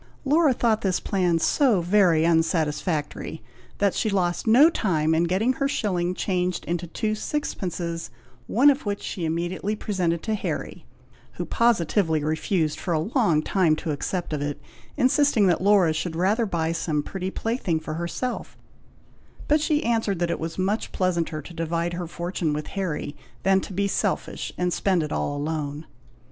Laura thought this plan so very unsatisfactory, that she lost no time in getting her shilling changed into two sixpences, one of which she immediately presented to Harry, who positively refused for a long time to accept of it, insisting that Laura should rather buy some pretty plaything for herself; but she answered that it was much pleasanter to divide her fortune with Harry, than to be selfish, and spend it all alone.